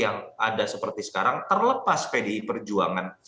itu situasi yang ada seperti sekarang terlepas pdi perjuangan